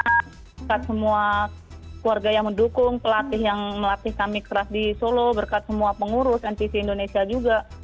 dekat semua keluarga yang mendukung pelatih yang melatih kami keras di solo berkat semua pengurus npc indonesia juga